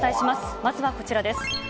まずはこちらです。